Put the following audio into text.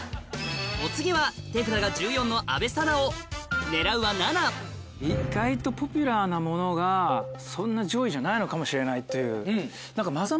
お次は手札が１４の阿部サダヲ狙うは７意外とポピュラーなものがそんな上位じゃないのかもしれないという。